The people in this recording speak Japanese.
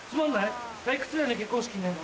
退屈だよね結婚式ね。